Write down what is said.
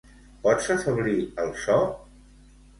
Pots afeblir el so?